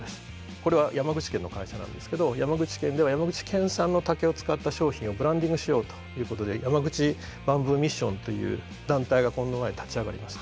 これは山口県の会社なんですけど山口県では山口県産の竹を使った商品をブランディングしようということでＹＡＭＡＧＵＣＨＩＢａｍｂｏｏＭｉｓｓｉｏｎという団体がこの前立ち上がりました。